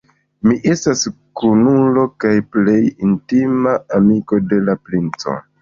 Mi estas kunulo kaj plej intima amiko de la princo.